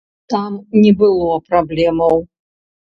Там не было праблемаў.